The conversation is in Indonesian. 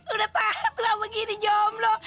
udah tahan lu apa gini jomblo